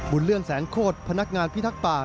เรื่องแสนโคตรพนักงานพิทักษ์ป่า